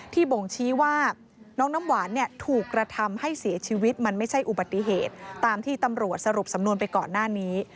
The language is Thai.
บ่งชี้ว่าน้องน้ำหวานเนี่ยถูกกระทำให้เสียชีวิตมันไม่ใช่อุบัติเหตุตามที่ตำรวจสรุปสำนวนไปก่อนหน้านี้